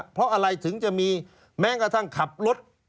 เพราะอะไรถึงจะมีแม้กระทั่งขับรถ